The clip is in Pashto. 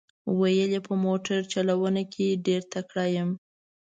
ویل یې په موټر چلونه کې ډېر تکړه یم.